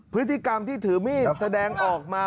พฤติกรรมที่ถือมีดแสดงออกมา